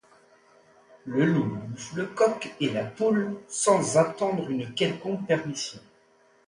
Le loup bouffe le coq et la poule sans attendre une quelconque permission.